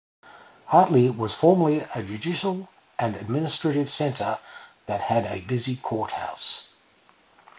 Hartley was formerly a judicial and administrative centre that had a busy courthouse.